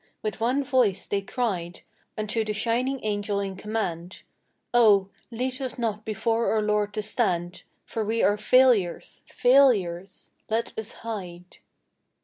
With one voice they cried Unto the shining Angel in command: 'Oh, lead us not before our Lord to stand, For we are failures, failures! Let us hide.